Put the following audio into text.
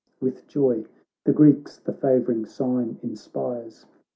With joy the Greeks the favouring sign inspires.